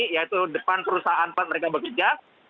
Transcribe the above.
yaitu depan perusahaan tempat mereka bekerja